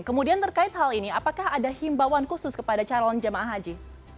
kemudian terkait hal ini apakah ada himbawan khusus kepada calon jemaah haji